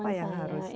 apa yang harus di